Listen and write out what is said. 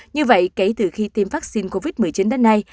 như vậy kể từ khi tiêm vaccine covid một mươi chín đến nay